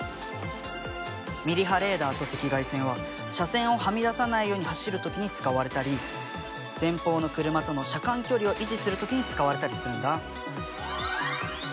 ミリ波レーダーと赤外線は車線をはみ出さないように走る時に使われたり前方の車との車間距離を維持する時に使われたりするんだ。